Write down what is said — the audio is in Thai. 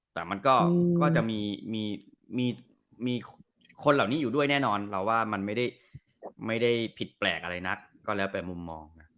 แต่มันก็จะมีมีคนเหล่านี้อยู่ด้วยแน่นอนเราว่ามันไม่ได้ผิดแปลกอะไรนักก็แล้วแต่มุมมองนะ